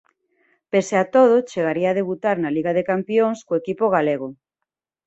Pese a todo chegaría a debutar na Liga de Campións co equipo galego.